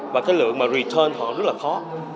và cái lượng mà return họ rất là khó